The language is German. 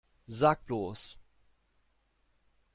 Sag bloß!